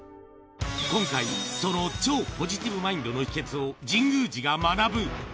今回、その超ポジティブマインドの秘けつを神宮寺が学ぶ。